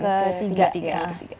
ini yang ketiga